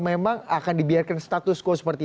memang akan dibiarkan status quo seperti